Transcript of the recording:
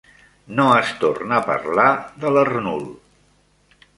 No es torna a parlar de l'Ernoul.